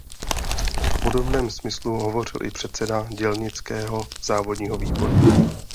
V podobném smyslu hovořil i předseda dělnického závodního výboru.